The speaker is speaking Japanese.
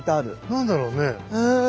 何だろうね。